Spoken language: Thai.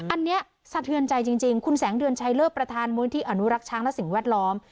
อันนี้สะเทือนใจจริงคุณแสงเดือนชัยเลิศประธานมูลที่อนุรักษ์ช้างและสิ่งแวดล้อม